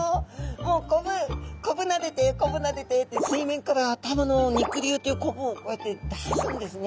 もうコブコブなでてコブなでてって水面から頭の肉瘤というコブをこうやって出すんですね。